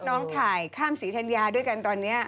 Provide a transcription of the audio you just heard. น้องถ่ายข้ามศรีธัญญาด้วยกันตอนนี้